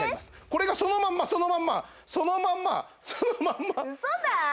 これがそのまんまそのまんまそのまんまそのまんまウソだえっ？